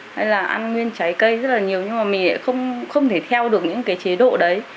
hay là ăn nguyên trái cây nữa rất là nhiều nhưng mà mình ch plugs không thể theo được những cái chế độ đấy